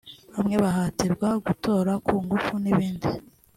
bamwe bahatirwa gutora ku ngufu n’ibindi